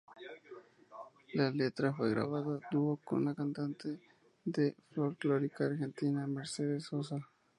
La letra fue grabada a dúo con la cantante de folclórica argentina Mercedes Sosa.